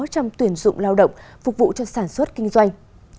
trong tuyển dụng lao động phục vụ cho sản xuất kinh doanh